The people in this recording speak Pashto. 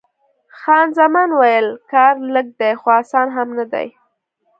خان زمان وویل: کار لږ دی، خو اسان هم نه دی.